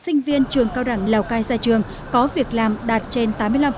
các nhân viên trường cao đẳng lào cai ra trường có việc làm đạt trên tám mươi năm